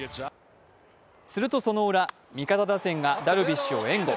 するそのウラ、味方打線がダルビッシュを援護。